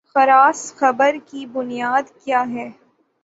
خر اس خبر کی بنیاد کیا ہے؟